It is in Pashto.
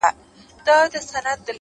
o ځوان د خپلي خولگۍ دواړي شونډي قلف کړې؛